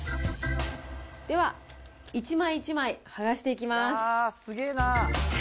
では、一枚一枚剥がしていきます。